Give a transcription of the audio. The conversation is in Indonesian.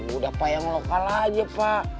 udah pak yang lokal aja pak